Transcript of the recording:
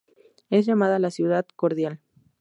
Es llamada la Ciudad Cordial.